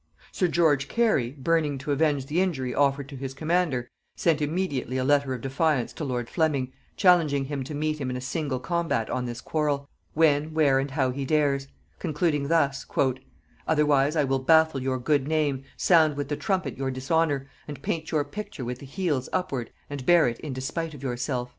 Sir George Cary, burning to avenge the injury offered to his commander, sent immediately a letter of defiance to lord Fleming, challenging him to meet him in single combat on this quarrel, when, where and how he dares; concluding thus: "Otherwise I will baffle your good name, sound with the trumpet your dishonor, and paint your picture with the heels upward and bear it in despite of yourself."